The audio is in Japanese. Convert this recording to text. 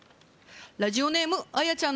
ラジオネームあやちゃん